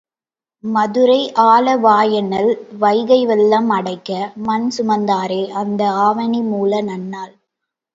மதுரை ஆலவாயண்ணல் வைகை வெள்ளம் அடைக்க மண் சுமந்தாரே அந்த ஆவணிமூல நன்னாள்!